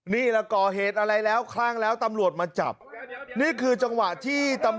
นี่แหละก่อเหตุอะไรแล้วคลั่งแล้วตำรวจมาจับนี่คือจังหวะที่ตำรวจ